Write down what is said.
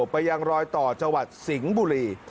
ไปยังรอยต่อจังหวัดสิงห์บุรี